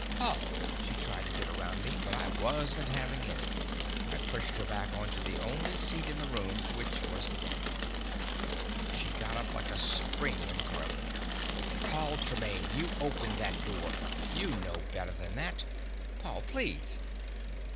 "Paul!" She tried to get around me, but I wasn't having any. I pushed her back onto the only seat in the room, which was the bunk. She got up like a spring uncoiling. "Paul Tremaine, you open that door. You know better than that. Paul, please!"